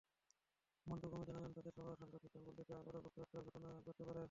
মন্টু গোমেজ জানালেন, তাঁদের সবার আশঙ্কা, খ্রিষ্টানপল্লিতে আবারও গুপ্তহত্যার ঘটনা ঘটতে পারে।